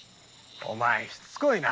お前しつこいな。